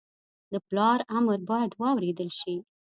د پلار امر باید واورېدل شي